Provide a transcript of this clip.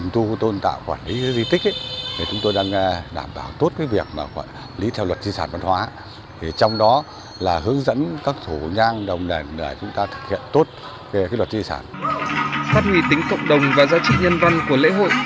tuy nhiên để phát huy tính cộng đồng và giá trị nhân văn của lễ hội